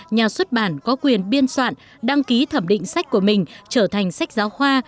nhà xuất bản có quyền biên soạn đăng ký thẩm định sách của mình trở thành sách giáo khoa